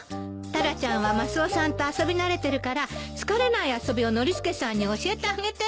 タラちゃんはマスオさんと遊び慣れてるから疲れない遊びをノリスケさんに教えてあげてるわよ。